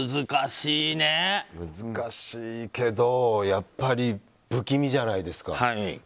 難しいけどやっぱり、不気味じゃないですか。